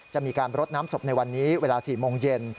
จะมีการรดน้ำศพในวันนี้เวลา๔โมงเย็น